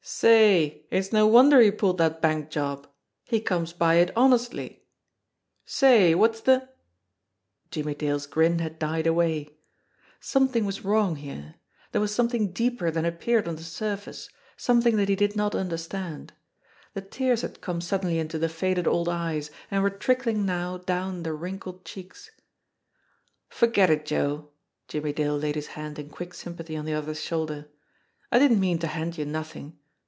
"Say, it's no wonder he pulled that bank job! He comes by it honestly ! Say, what's the " Jimmie Dale's grin had died away. Something was wrong here ; there was something deeper than appeared on the sur face, something that he did not understand. The tears had THE MESSAGE 79 come suddenly into the faded old eyes, and were trickling now down the wrinkled cheeks. "Forget it, Joe!" Jimmie Dale laid his hand in quick sympathy on the other's shoulder. "I didn't mean to hand you nothing.